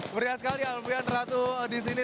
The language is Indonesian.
meriah sekali alvian ratu disini